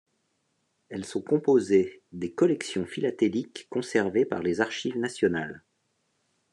Elles sont composées des collections philatéliques conservées par les Archives nationales.